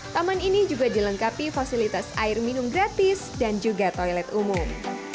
taman ini juga dilengkapi fasilitas air minum gratis dan juga toilet umum